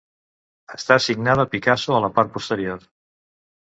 Està signada Picasso a la part posterior.